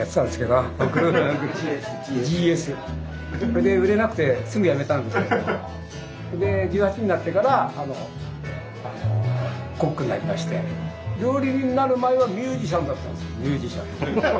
それで売れなくてすぐやめたんですけどで１８になってからコックになりまして料理人になる前はミュージシャンだったんですよミュージシャン。